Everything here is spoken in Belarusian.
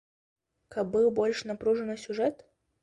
Каб быў больш напружаны сюжэт?